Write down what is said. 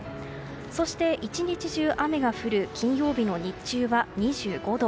そして１日中、雨が降る金曜日の日中は２５度。